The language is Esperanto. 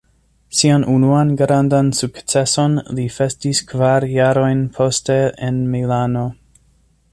Sian unuan grandan sukceson li festis kvar jarojn poste en Milano.